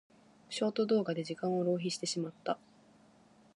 ショート動画で時間を浪費してしまった。